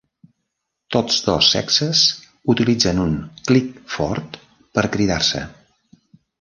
Tots dos sexes utilitzen un "clic" fort per cridar-se.